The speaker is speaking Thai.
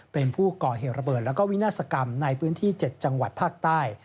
เป็นผู้ก่อเหตุระเบิดและวินาศกรรมในพื้นที่๗จังหวัดภาคใต้